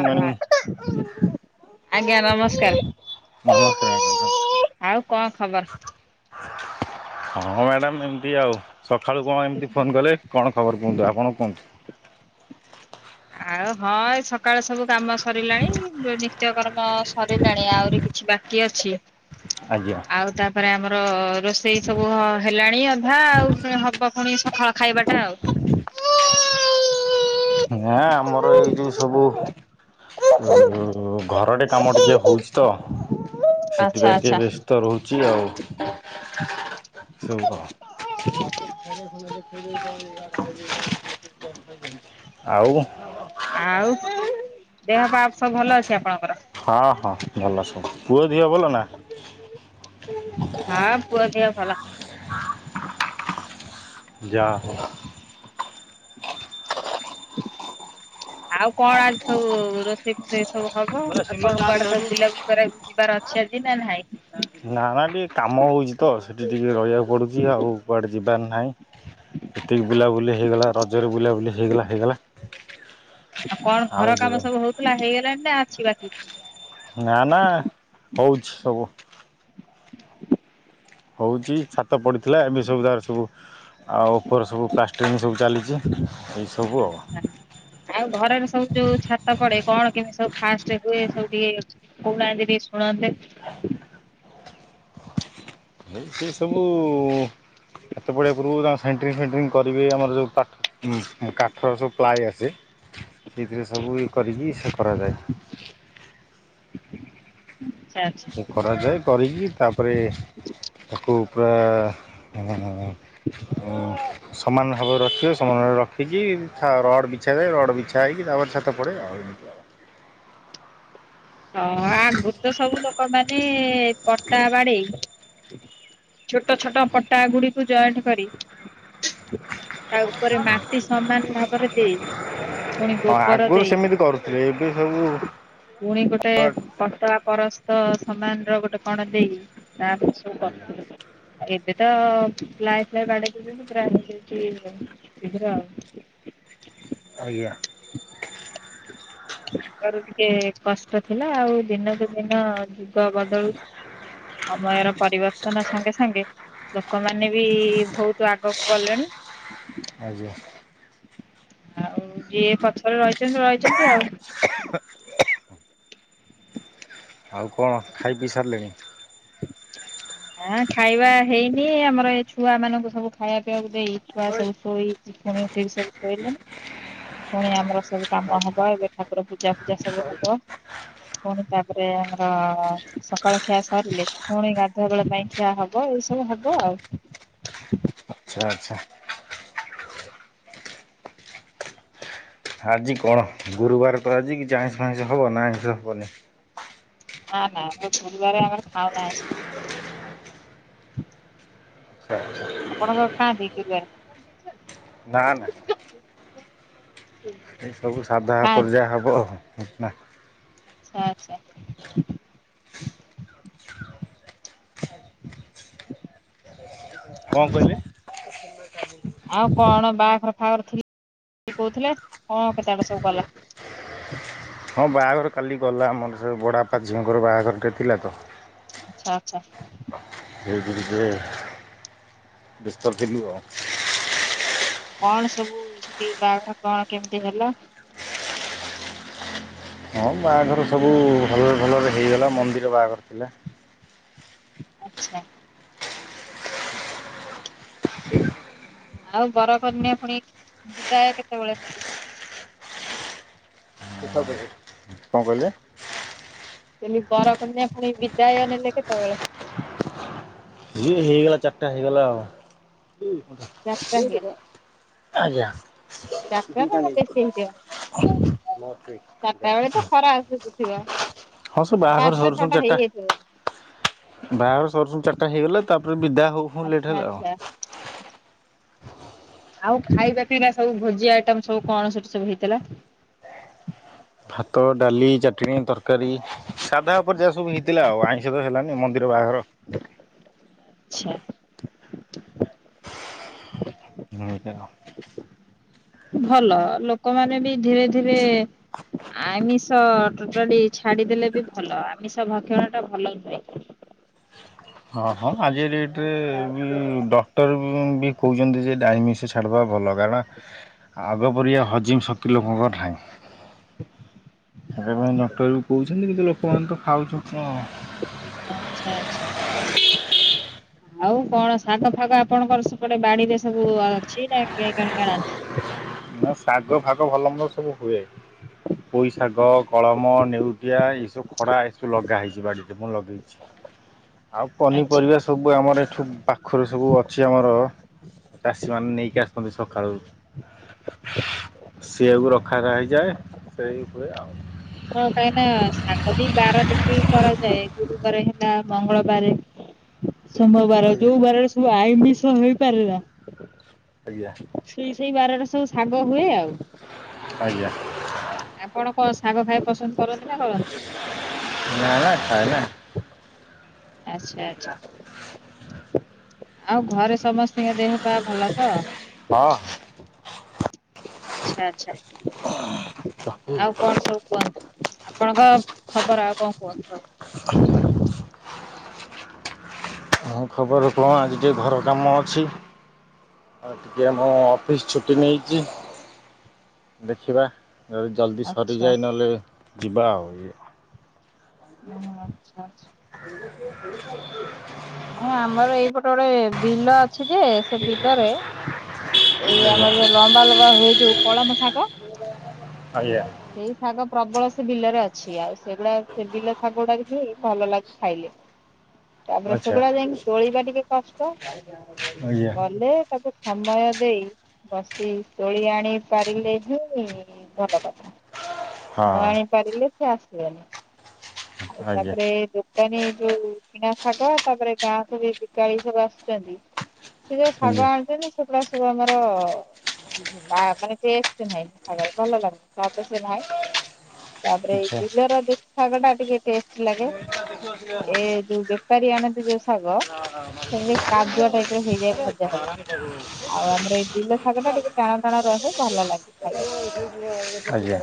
ଆଉ ଆ ଆଜ୍ଞା ନମସ୍କାର। ନମସ୍କାର ଆଉ କଣ ଖବର? [unintelligible] ହଁ ମ୍ୟାଡ଼ାମ ଏମିତି ଆଉ। ସଖାଳୁ କଣ ଏମିତି ଫୋନ୍ କଲେ କଣ ଖବର କୁହନ୍ତୁ ଆପଣ କୁହନ୍ତୁ। ଆଉ ହଁ ଏଇ ସକାଳ ସବୁ କାମ ସରିଲାଣି ମୋ ନିତ୍ୟ କର୍ମ ସ ସରିଲାଣି ଆହୁରି କିଛି ବାକି ଅଛି। ଆଜ୍ଞା। ଆଉ ତାପରେ ଆମର ରୋଷେଇ ସବୁ ହ ହେଲାଣି ଅଧା ଆଉ ପେଣେ ହବ ପୁଣି ସକାଳ ଖାଇବାଟା ଆଉ। ନା ଆମର ଏଇ ଯୋଉ ସବୁ ଘ ଘରଟେ କାମ ଟିକେ ହୋଉଚି ତ ଆଚ୍ଛା ସେଥିପାଇଁ ଟିକେ ଆଚ୍ଛା। ବ୍ୟସ୍ତ ରହୁଚି ଆଉ। ସବୁ କଁ ଆଉ? ଆଉ ଦେହପାଆ ସବୁ ଭଲଅଛି ଆପଣଙ୍କର? ହଁ ହଁ ଭଲ ସବୁ ପୁଅ ଦିହ ଭଲ ନା? ହଁ ପୁଅ ଦେହ ଭଲ। ଯା ହୋଉ। ଆଉ କଣ ଆଜି ସବୁ ରୋଷ୍ ଷେଇ ଫୋଷେଇ ସବୁ ହବ ଆଉ କଣ କୁଆଡେ ସବୁ ବୁଲାବୁଲି କରିବାକୁ ଯିବାର ଅଛି ଆଜି ନା ନାହିଁ। ନା ନା ଟିକେ କାମ ହେଉଚି ତ ସେଠି ଟିକେ ରହିବାକୁ ପଡୁଚି ଆଉ କୁଆଡ଼େ ଯିବାର ନାହିଁ। ଏତିକି ବୁଲାବୁଲି ହେଇଗଲା ରଜରେ ବୁଲାବୁଲି ହେଇଗଲା ହେଇଗଲା। ଆଉ କଣ ଘର କାମ ସବୁ ହୋଉଥୁଲା ହେଇଗଲାଣି ନା ଆଛି ବାକି? ନା ନା ହୋଉଛି ସବୁ। ହୋଉଚି ଛାତ ପଡ଼ିଥିଲା ଏବେ ସବୁ ତାର ସବୁ ଆଉ ଉପର ସବୁ ପ୍ଲାଷ୍ଟିଙ୍ଗ ସବୁ ଚାଲିଚି। ଏଇ ସବୁ ଆଉ। ଆଚ୍ଛା ଆଉ ଘରର ସବୁ ଯୋଉ ଛାତ ପଡେ କଣ କେମିତି ସବୁ ଫାଷ୍ଟେ ହୁଏ ସବୁ ଟିକେ କୋହୁନାହାନ୍ତିି ଟିକେ ଶୁଣନ୍ତେ। ଆଉ ସବୁ ଛାତ ପଡିବା ପୂର୍ବରୁ ତାଙ୍କ ସେଣ୍ଟ୍ରିଙ୍ଗ ଫେଣ୍ଟ୍ରିଙ୍ଗ କରିବେ ଆମର ଯୋଉ ପା ଉଁ ଆ କାଠର ସବୁ ପ୍ଲାଏ ଆସେ ସେଇଥିରେ ସବୁ ଇଏ କରିକି ସେ କରାଯାଏ। ଉଁ ଆଛା ଆଛା। କରାଯାଏ କରିକି ତାପରେ ତାକୁ ପୁରା [unintelligible] ଅଁ ସମାନ ଭାବରେ ରଖିବେ ସମାନ ଭାବରେ ରଖିକି ଛା ରଡ଼ ବିଛାଯାଏ ରଡ଼ ବିଛା ହେଇକି ତାପରେ ଛାତ ପଡ଼େ ଆଉ ଏମି ହଁ ଆଗରୁ ତ ସବୁ ଲୋକମାନେ ପଟା ବାଡେଇ। ଛୋଟ ଛୋଟ ପଟା ଗୁଡିକୁ ଜଏଣ୍ଟ କରି। ତା ଉପରେ ମାଟି ସମାନ ଭାବରେ ଦେଇ। ପୁଣି ହଁ ଗୋବର ଆଗରୁ ଦେଇ ସେମିତି କରୁଥିଲେ ଏବେ ସବୁ ପୁଣି ଗୋଟେ ପତଳା ପରସ୍ତ ସମାନ ର ଗୋଟେ କଣ ଦେଇ ତା [unintelligible] ଆଜ୍ଞା କର ଏବେ ତ ପ୍ଲାଏ ଫ୍ଲାଏ ବାଡେଇ ଦଉଛନ୍ତି ପୁରା ହେଇଯାଉଚି ଶୀଘ୍ର ଆଉ। ଆଜ୍ଞା। [inaudible] ଆଗରୁ ଟିକେ କଷ୍ଟ ଥିଲା ଆଉ ଦିନକୁ ଦିନ ଯୁଗ ବଦଳୁ ସମୟର ପରିବର୍ତ୍ତନ ସାଙ୍ଗେ ସାଙ୍ଗେ ଲୋକମାନେ ବି ବହୁତ ଆଗକୁ ଗଲେଣି। ଆଜ୍ଞା। ଆଉ ଯିଏ ପଛରେ ରହିଛନ୍ତି ରହିଛନ୍ତି ଆଉ। [inaudible] ଆଉ କଣ ଖାଇ ପିଇ ସାରିଲେଣି? ଆଁ ଖାଇବା ହେଇନି ଆମର ଏ ଛୁଆ ମାନଙ୍କୁ ସବୁ ଖାଇବା ପିଇବାକୁ ଦେଇ ଛୁଆ ସବୁ ଶୋଇ ଫୁଣି ଉଠିକି ସବୁ ଶୋଇଲେଣି। ପୁଣି ଆମର ସବୁ କାମ ଆଚ୍ଛା ହବ ଏବେ ଠାକୁର ପୂଜା ଫୂଜା ସବୁ ହବ। ପୁଣି ତାପରେ ଆମର ସକାଳ ଖିଆ ସରିଲେ ପୁଣି ଗାଧ ଧୁଆବେଳ ପାଇଁ ଖିଆ ହବ ଏଇ ସବୁ ହବ ଆଉ। ଆଛା ଆଚ୍ଛା। ଆଜି କଣ ଗୁରୁବାର ତ ଆଜି କି ଆଇସ ଫାଇଁଷ ହବ ନା ଆଇଁଷ ହବନି? ନା ନା ଆମ ଗୁରୁବାର ଆମର ଖାଉନା ଆଇଁଷ। [inaudible] ଆପଣ କଣ ଖାଆନ୍ତି [inaudible] ନା ନା। ଏ ସବୁ ସାଧା ଉପରେ ଖାଆନ୍ତି ଯାହା ହବ ନା। ଛା ଛା। କଣ କହିଲେ? ଆଚ୍ଛା ଆଉ କଣ ବାହାଘର ଫାଘର ଥିଲ କହୁଥିଲେ କଣ କେତେଆଡେ ସବୁ ଗଲା। ହଁ ବାହାଘର କାଲି ଗଲା ଆମର ସେ ବଡ଼ପା ଝିଅଙ୍କର ବାହାଘରଟେ ଥିଲା ତ। ଆଚ୍ଛା ଆଚ୍ଛା। ସେଇ ଯୁଗୁରୁ ଟିକେ ବ୍ୟସ୍ତରେ ଥିଲୁ ଆଉ। କଣ ସବୁ ସେଠି ବାହାଘର କଣ କେମିତି ହେଲା? ହଁ ବାହାଘର ସବୁ ଭଲରେ ଭଲରେ ହେଇଗଲା ମନ୍ଦିର ବାହାଘର ଥିଲା। ଆଚ୍ଛା। ଆଉ ବରକନ୍ୟା ପୁଣି ବିଦାୟ କେତେବେଳେ ହେଲେ। କଣ କହିଲେ? ମୁଁ କହିଲି ବର କନ୍ୟା ପୁଣି ବିଦାୟ ନେଲେ କେତେବେଳେ। ଇଏ ହେଇଗଲା ଚାରିଟା ହେଇଗଲା ଆଉ। ଚାରିଟା ହେଇଗଲା ଆଜ୍ଞା। ଚାରିଟା ନା ବେଶୀ ହେଇଯିବ। ହଁ ଚାରିଟା ବେଳେ ତ ଖରା ଆସୁଥିବ। ହଁ ସେ ବାହାଘର ପାଞ୍ଚଟା ସରୁସରୁ ଛଅଟା ଚାରିଟା ହେଇଯାଇଥିବ ବୋଧେ ବାହାଘର ସରୁସରୁ ଚାର ଟା ହେଇଗଲା ତାପରେ ବିଦା ହଉ ହଉ ଲେଟ୍ ଆଚ୍ଛା ହେଲା ଆଉ। ଆଚ୍ଛା। ଆଉ ଖାଇବା ପିଇବା ସବୁ ଭୋଜି ଆଇଟମ ସବୁ କଣ ସେଠି ସବୁ ହେଇଥିଲା? ଭାତ, ଡାଲି, ଚାଟେଣି, ତରକାରୀ। ସାଧା ଉପରେ ଯାହା ସବୁ ହେଇଥିଲା ଆଉ ଆଇଁଷ ତ ହେଲାନି ମନ୍ଦିର ବାହାଘର। ଚ୍ଛା। [inaudible] ଭଲ ଲୋକମାନେ ବି ଧୀରେ ଧୀରେ ଆମିଷ ଟୋଟାଲି ଛାଡିଦେଲେ ବି ଭଲ ଆମିଷ ଭକ୍ଷଣ ଟା ଭଲ ନୁହେଁ। [inaudible] ହଁ ହଁ ଆଜି କା ଆଉ ଟ୍ରେ ବି ତାପରେ ଡ କ୍ଟର ବି କହୁଛନ୍ତି ଯେ ଡାଇମିସ୍ ଛାଡ଼ିବା ଭଲ କାରଣ ଆଗ ପରରିଆ ହଜିମ୍ ଶକ୍ତି ଲୋକଙ୍କର ନାହିଁ। ସେଦାପାଇ ଡକ୍ଟର ବି କହୁଛନ୍ତି କିନ୍ତୁ ଲୋକମାନେ ତ ଖାଉଛନ୍ତି ଆ ଆଚ୍ଛା ଆଚ୍ଛା। ଆଉ କଣ ଶାଗ ଫାଗ ଆପଣଙ୍କର ସେପଟେ ବାଡିରେ ସବୁ ଅଛି ନା କିଣ କଣୀ ଆଣ୍ଡନ୍ତି? ମୋ ଶାଗ ଫାଗ ଭଲ ମୋ ସବୁ ହୁଏ। ପୋଇଶାଗ, କଳମ, ନେଉଟିଆ ଏସ ଖଡ଼ା ଏସୋ ଲଗା ହେଇଛି ବାଡ଼ିରେ ମୁଁ ଲଗେଇଛି। [unintelligible] ଆଉ ଆଚ୍ଛା। ପନିପରିବା ସ ସୁବୁ ଆମର ଏଠୁ ପାଖରେ ସବୁ ଅଛି ଆମର ଚାଷୀମାନେ ନେଇକି ଆସନ୍ତି ସଖାଳୁ। ସେଇଆ କୁ ରଖାରା ଇଯାଏ ସେଇ ହୁଏ ଆଉ। ହଁ କାହିଁନା ସାଗ ବି ବାର ଦେଖିକି କରାଯାଏ ଗୁରୁବାର ହେଲା ମଙ୍ଗଳବାର ସୋମବାର ଯୋଉ ବାରରେ ସବୁ ଆଇମିଶ ହେଇପାରେ ନା। ଆଜ୍ଞା। ସିଇ ସେଇ ବାରରେ ସବୁ ଶାଗ ହୁଏ ଆଉ। ଆଜ୍ଞା। ଆପଣ କଣ ଶାଗ ଖାଇବା ପସନ୍ଦ କରନ୍ତି ନା କର ନା ନା ଖାଏ ନା। ଆଚ୍ଛା ଆଚ୍ଛା ଆଉ ଘରେ ସମସ୍ତିଙ୍କ ଦେହ ପା ଭଲ ତ? ହଁ। ଆଚ୍ଛା ଆଛା ଆଉ କଣ ସବୁ କୁହନ୍ତୁ ଆପଣଙ୍କ ଖବର ଆଉ କଣ କୁହନ୍ତୁ? [unintelligible] ମୋ ଖବର କଣ ଆଜି ଟିକେ ଘର କାମ ଅଛି। ଆଉ ଟିକେ ମୁଁ ଅଫିସ ଛୁଟି ନେଇଛି ଦେଖିବା ଓ ଜଲ୍ଦି ଆଚ୍ଛା। ସରିଯାଏ ନ ହେଲେ ଯିବା ଆଉ ଇଏ ଉହୁଁ ଆଚ୍ଛା ଆଛ [unintelligible] ମ ଆମର ଏଇପଟେରେ ବିଲ ଅଛି ଯେ ସେ ବିଲରେ ଏଇ ଆଜ୍ଞା ଆମର ଯୋ ଲମ୍ବା ଲମ୍ବା ହୁଏ ଯୋଉ କଳମ ଶାଗ। ଆଜ୍ଞା। ସେଇ ଶାଗ ପ୍ରବଳ ସେ ବିଲରେ ଅଛି ଆଉ ସେଗୁଡା ସେ ବିଲ ଶାଗ ଗୁଡାକବି ଭଲ ଲାଗି ଖାଇଲେ। ତାପରେ ସେ ଆଚ୍ଛା ଗୁଡା ଯାଇକି ତୋଳିବା ଟିକେ କଷ୍ଟ ଆଜ୍ଞା ଗଲେ ତାକୁ ସମୟ ଦେଇ ବସି ତୋଳି ଆଣି ପାରିଲେ ବି ଉ ଭଲ କଥା। ହଁ ମୁ ଆଣି ପାରିଲେ ସେ ଆସିଲାନି ଆଉ ଆଜ୍ଞା ତାପରେ ଦୋ ତାକେ ଯୋଉ କିଣା ଶାଗ ତାପରେ ଗାଁ କୁ ଯେଇ ବିକାଳି ସବୁ ଆସୁଛନ୍ତି ସେ ଯୋଉ ଆଜ୍ଞା ଶାଗ ଆଣିଛନ୍ତି ସେଗୁଡା ସବୁ ଆମର [inaudible] ଆ ମାନେ ଟେଷ୍ଟ ନାହିଁ ଖାଇବାର ଭଲ ଲାଗୁନି ତାପରେ ସେ ନାହିଁ। ତା ପରେ ଏଇ ଆଚ୍ଛା ବିଲର ଦେଶୀ ଶାଗ ଟା ଟିକେ ଟେଷ୍ଟ ଲାଗେ ଏ ଯୋଉ ବେପାରୀ ଆଣନ୍ ଯୋଉ ଶାଗ ସେମି କାଦୁଅ ଟାଇପ ର ହେଇଯାଏ ଭଜାରେ ଆଉ ଆମର ଏଇ ବିଲ ଶାଗ ଟା ଟିକେ ଟାଣ ଟାଣ ରହେ ଭଲ ଲାଗେ ଖାଇବା ଆଜ୍ଞା।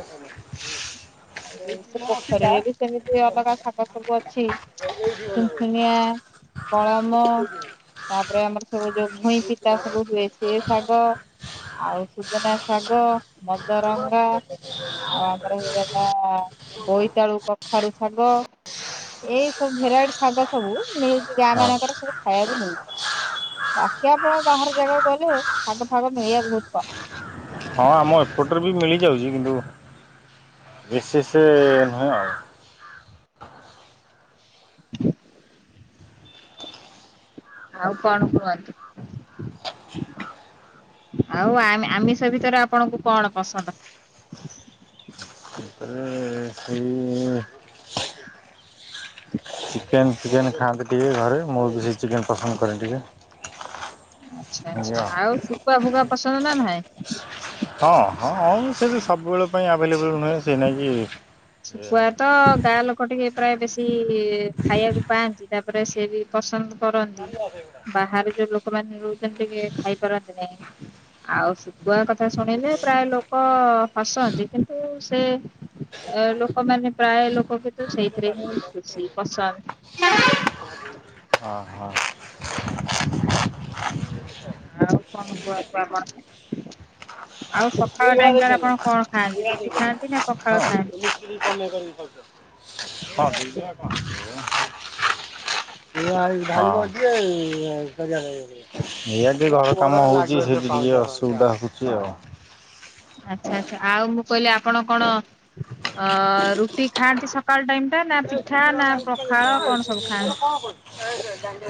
ଆଉ ଏଇ ସେ ପୋଖରୀରେ ବି ସେମିତି ଅଲଗା ଶାଗ ସବୁ ଅଛି ସୁନ ସୁନିଆ, କଳମ ତା ପରେ ଆମର ସବୁ ଯୋଉ ଭୁଇଁ ପିତା ସବୁ ହୁଏ। ସେ ଶାଗ ଆଉ ସୁଜନା ଶାଗ। ମଦରଙ୍ଗଆ ଆଉ ତା ର ହେଇଗଲା ବୋଇତାଳୁ କଖାରୁ ଶାଗ। ଏଇ ସବୁ ଭେରାଇଟି ଶାଗ ସବୁ ମିଳୁଛି ଗାଁ ହଁ ମାନଙ୍କର ସବୁ ଖାଇବାକୁ ମିଳୁଛି। ବାକି ଆପଣ ବାହାର ଜାଗାକୁ ଗଲେ ସାଗ ଫାଗ ମିଳବା ବହୁତ କଷ୍ଟ। ହଁ, ଆମ ଏପଟରେ ବି ମିଳିଯାଉଛି କିନ୍ତୁ ବିଶେଷ ନୁହେଁ ଆଉ। [unintelligible] ଆଉ କଣ କୁହନ୍ତୁ। ଆଉ ଆମ୍, ଆମ୍, ଆମିଷ ଭିତରେ ଆପଣଙ୍କୁ କଣ ପସନ୍ଦ। ସେଥେରେ ସେଇ। ଚିକେନ ଫିକେନ ଖାଆନ୍ତି ଟିକେ ଘରେ ମୁଁ ବି ସେଇ ଚିକେନ ପସନ୍ଦ କରେ ଟିକେ। ଆଚ୍ଛା ଆଚ୍ଛା ଆଜ୍ଞା ଆଉ ଶୁଖୁଆ ଫୁଖୁଆ ପସନ୍ଦ ନା ନାଇଁ। ହଁ ହଁ ହଁ ସେ ବି ସବୁବେଳେ ପାଇଁ ଆଭେଲେବୁଲ୍ ନୁହେଁ ସେଇ ନାଗି। ଶୁକୁଆ ତ ଗାଁ ଲୋକ ଟିକେ ପ୍ରାୟ ବେଶୀ ଖାଇବାକୁ ପାଆନ୍ତି ତାପରେ ସିଏ ବି ପସନ୍ଦ କରନ୍ତି। ବାହାରେ ଯୋଉ ଲୋକମାନେ ରହୁଛନ୍ତି ଟିକେ ଖାଇପାରନ୍ତି ନାହିଁ। ଆଉ ସୁଖୁଆ କଥା ଶୁଣିଲେ ପ୍ରାୟ ଲୋକ ହସନ୍ତି କିନ୍ତୁ ସେ। ଲୋକମାନେ ପ୍ରାୟ ଲୋକ କିନ୍ତୁ ସେଇଥିରେ ହିଁ ଖୁସି ପସନ୍ଦ। ହଁ ହଁ। ଆଉ କଣ କୁହନ୍ତୁ ଆପଣ ଆଉ ସ ପଖାଳ ଟାଇମ ଟାରେ ଆପଣ କଁ ଖାଆନ୍ତି ରୁଟି ଖାଆନ୍ତି ନା ପଖାଳ ଖାଆନ୍ତି। [unintelligible] [unintelligible] ହଁ। ଏଇଆ ଟିକେ ଘର କାମ ହଉଛି ସେଠ ଟିକେ ଅସୁବିଧା ହଉଛି ଆଉ। ଆଚ୍ଛା ଆଚ୍ଛା ଆଉ ମୁଁ କହିଲି ଆପଣ କଣ। ଅ ରୁଟି ଖାଆନ୍ତି ସକାଳ ଟାଇମ ଟା ନା ପିଠା ନା ପଖାଳ କଣ ସବୁ ଖାଆନ୍ତି।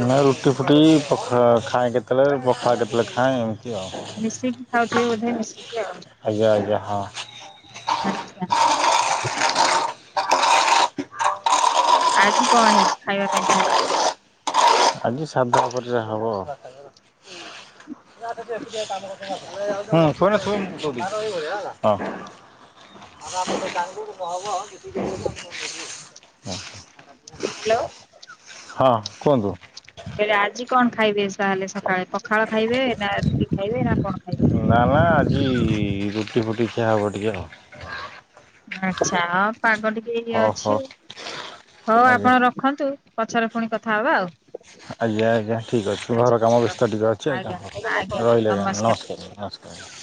ନଇ ରୁଟି ଫୁଟି ପଖାଳ ଖାଏଁ କେତେ ବେଳେ ପଖାଳ କେତେ ବେଳେ ଖାଏଁ। ମିଶେଇକି ଖାଉଥିବେ ବୋଧେ ମିଶିକି ଆଉ। ଆଜ୍ଞା ଆଜ୍ଞା ହଁ। ଆଛା। ଆଜି କଣ ହେଇଛି ଖାଇବା ପାଇଁ ତାହେଲେ। ଆଜି ସାଧା ଉପରେ ଯାହା ହବ। ହ [unintelligible] [unintelligible] ହାଲୋ। ହଁ କୁହନ୍ତୁ। ମୁଁ କଇଲି ଆଜି କଣ ଖାଇବେ ତାହେଲେ ସକାଳେ ପଖାଳ ଖାଇବେ ନା ରୁଟି ଖାଇବେ ନା କଣ ଖାଇବେ। ନା ନା ଆଜି ରୁଟି ଫୁଟି ଖିଆ ହେବ ଟିକି ଆଉ। ଆଚ୍ଛା ହଁ ପାଗ ଟିକେ ଇଏ ହଉ ହଉ ଅଛି ହଉ ଆଜ୍ଞା। ଆପଣ ରଖନ୍ତୁ। ପଛରେ ପୁଣି କଥା ହବା ଆଉ। ଆଜ୍ଞା ଆଜ୍ଞା ଠିକ ଅଛି ଆଚ୍ଛା ଘର କାମ ଆଚ୍ଛା ରଖ ବ୍ୟସ୍ତ ଟିକେ ଅଛି ଆଜ୍ଞା ହଁ ରହିଲି ଆଜ୍ଞା ନମସ୍କାର ନମସ୍କାର। ହଁ